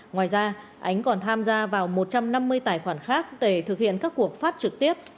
ngoài ra ánh còn tham gia vào một trăm năm mươi tài khoản khác để thực hiện các cuộc phát trực tiếp